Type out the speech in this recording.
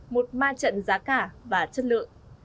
một ma trận giá cả và chất lượng